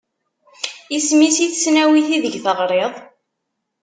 Isem-is i tesnawit ideg teɣriḍ?